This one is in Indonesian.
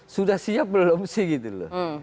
sudah siap belum sih gitu loh